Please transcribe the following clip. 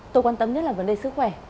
tôi quan tâm nhất là vấn đề sức khỏe